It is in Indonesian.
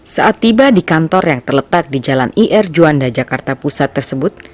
saat tiba di kantor yang terletak di jalan ir juanda jakarta pusat tersebut